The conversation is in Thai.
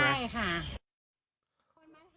ใช่ค่ะ